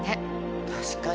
確かに。